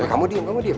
kamu diam kamu diam